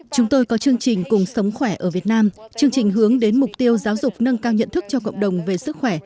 chúng tôi có chương trình cùng sống khỏe ở việt nam chương trình hướng đến mục tiêu giáo dục nâng cao nhận thức cho cộng đồng về sức khỏe